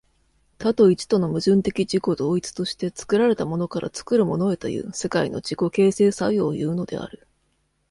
多と一との矛盾的自己同一として、作られたものから作るものへという世界の自己形成作用をいうのである。